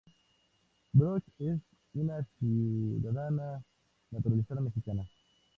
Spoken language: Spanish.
Broch es una ciudadana naturalizada mexicana.